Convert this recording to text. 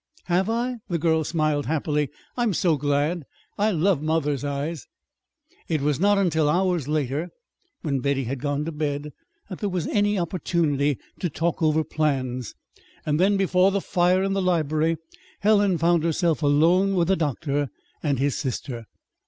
"Have I?" The girl smiled happily. "I'm so glad! I love mother's eyes." It was not until hours later, when Betty had gone to bed, that there was any opportunity to talk over plans. Then, before the fire in the library, Helen found herself alone with the doctor and his sister.